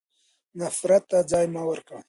نفرت ته ځای مه ورکوئ.